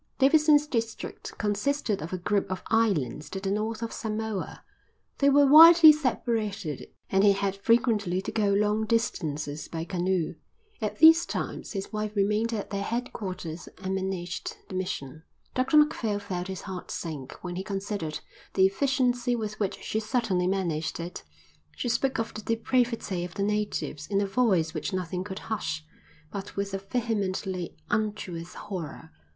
Davidson's district consisted of a group of islands to the North of Samoa; they were widely separated and he had frequently to go long distances by canoe. At these times his wife remained at their headquarters and managed the mission. Dr Macphail felt his heart sink when he considered the efficiency with which she certainly managed it. She spoke of the depravity of the natives in a voice which nothing could hush, but with a vehemently unctuous horror.